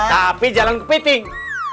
tapi jangan kepiting